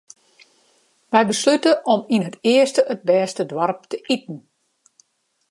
Wy beslute om yn it earste it bêste doarp te iten.